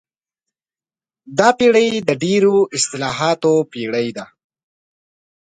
دا پېړۍ د ډېرو اصطلاحاتو پېړۍ ده.